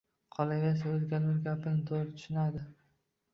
Qolaversa, o‘zgalar gapini to‘g‘ri tushunadi.